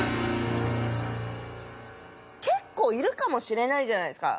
結構いるかもしれないじゃないですか。